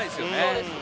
そうです